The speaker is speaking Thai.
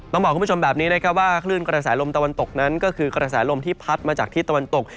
บอกคุณผู้ชมแบบนี้นะครับว่าคลื่นกระแสลมตะวันตกนั้นก็คือกระแสลมที่พัดมาจากที่ตะวันตก